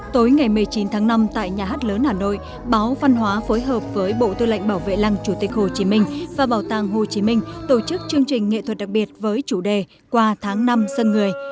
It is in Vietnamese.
tối ngày một mươi chín tháng năm tại nhà hát lớn hà nội báo văn hóa phối hợp với bộ tư lệnh bảo vệ lăng chủ tịch hồ chí minh và bảo tàng hồ chí minh tổ chức chương trình nghệ thuật đặc biệt với chủ đề qua tháng năm dân người